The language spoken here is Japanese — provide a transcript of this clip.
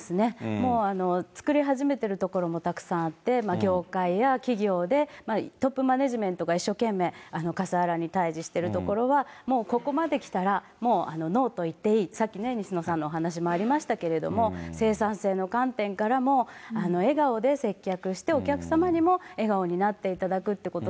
もう作り始めているところもたくさんあって、業界や企業でトップマネージメントが一生懸命カスハラに対じしているところは、もうここまで来たら、もうノーと言っていい、さっき西野さんのお話もありましたけれども、生産性の観点からも、笑顔で接客して、お客様にも笑顔になっていただくということ、